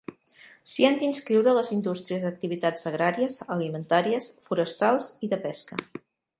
S'hi han d'inscriure les indústries d'activitats agràries, alimentàries, forestals i de pesca.